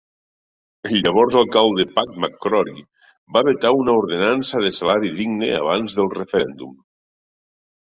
El llavors alcalde Pat McCrory va vetar una ordenança de salari digne abans del referèndum.